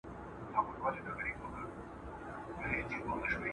ګوندي قبول سي خواست د خوارانو !.